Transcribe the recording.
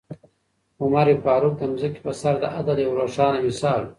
عمر فاروق د ځمکې په سر د عدل یو روښانه مثال و.